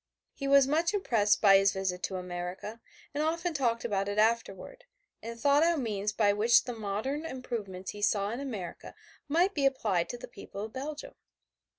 He was much impressed by his visit to America, and often talked about it afterward, and thought out means by which the modern improvements he saw in America might be applied to the people of Belgium.